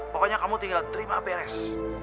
pokoknya kamu tinggal terima beres